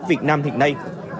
việt nam hiện nay